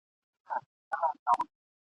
افتخارات به عادلانه وېشل کيږي.